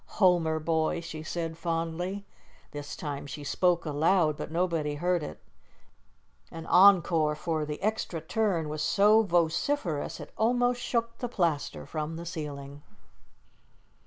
"Homer, boy," she said fondly. This time she spoke aloud, but nobody heard it. An encore for the "Extra Turn" was so vociferous, it almost shook the plaster from the ceiling.